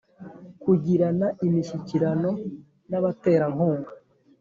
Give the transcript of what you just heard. Kugirana imishyikirano n abaterankunga